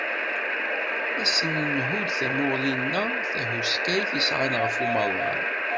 Ad sen-nhudd tamuɣli-nni tahuskayt i sɛan ɣef umaḍal.